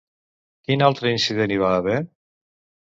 Quin altre incident hi va haver?